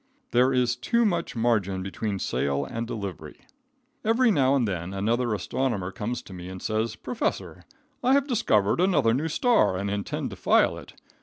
There is too much margin between sale and delivery. Every now and then another astronomer comes to me and says: "Professor, I have discovered another new star and intend to file it.